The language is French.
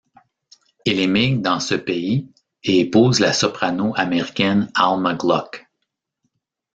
Il émigre dans ce pays et épouse la soprano américaine Alma Gluck.